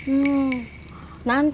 bapak ibu yang biasa bangga